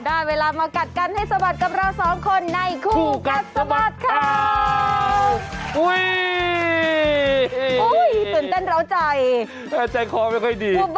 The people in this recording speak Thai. ได้เวลามากัดกันให้สะบัดกับเราสองคนในคู่กัดสะบัดข่าว